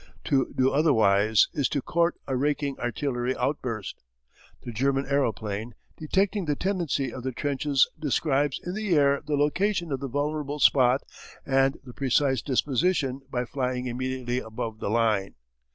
To do otherwise is to court a raking artillery outburst. The German aeroplane, detecting the tendency of the trenches describes in the air the location of the vulnerable spot and the precise disposition by flying immediately above the line.